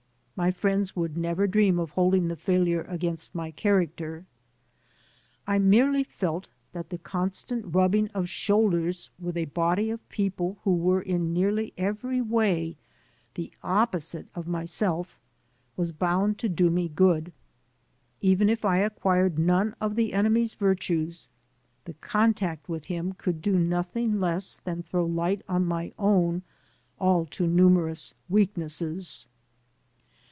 My friends would never dream of holding the failure against my character. I merely felt that the constant rubbing of shoulders with a body of people who were in nearly every way the opposite of myself was boimd to do me good. Even if I acquired none of the enemy's virtues, the contact with him could do nothing less than throw light on my own all too numerous weaknesses.